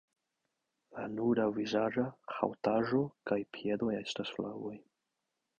La nuda vizaĝa haŭtaĵo kaj piedoj estas flavaj.